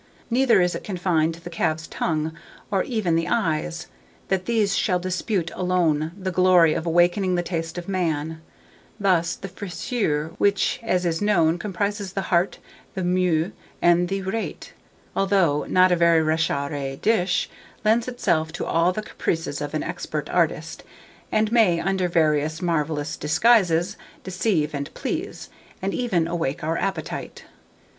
Neither is it confined to the calf's tongue, or even the eyes, that these shall dispute alone the glory of awakening the taste of man; thus, the fressure (which, as is known, comprises the heart, the mou, and the rate), although not a very recherché dish, lends itself to all the caprices of an expert artist, and may, under various marvellous disguises, deceive, and please, and even awaken our appetite."